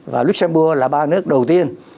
và luxembourg là ba nước đầu tiên